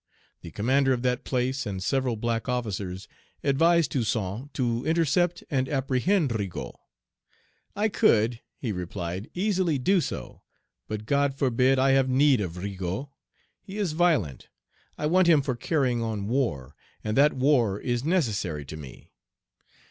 The commander of that place and several black officers advised. Toussaint to intercept and apprehend Rigaud. "I could," he replied, "easily do so; but God forbid. I have need of Rigaud. He is violent. I want him for carrying on war; and that war is necessary to me.